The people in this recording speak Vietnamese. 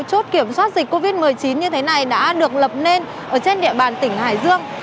một trăm sáu mươi sáu chốt kiểm soát dịch covid một mươi chín như thế này đã được lập nên trên địa bàn tỉnh hải dương